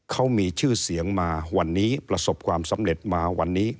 เขามีชื่อเสียงมาวันนี้ประสบความสำเร็จมาวันนี้